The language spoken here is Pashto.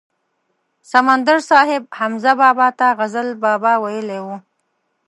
سمندر صاحب حمزه بابا ته غزل بابا ویلی و.